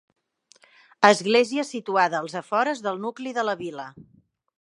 Església situada als afores del nucli de la vila.